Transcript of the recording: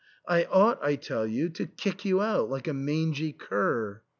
I ought, I tell you, to kick you out like a mangy cur."